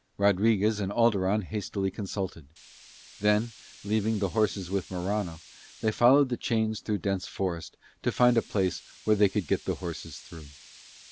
Rodriguez and Alderon hastily consulted; then, leaving the horses with Morano, they followed the chains through dense forest to find a place where they could get the horses through.